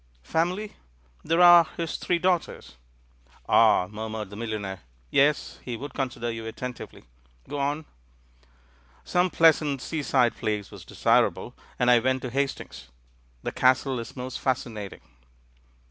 "Family? There are his three daughters." "Ah," murmured the millionaire. "Yes, he would consider you attentively. Go on.'* "Some pleasant seaside place was desirable. ^62 THE MAN WHO UNDERSTOOD WOMEN and I went to Hastings. The Castle is most fas cinating."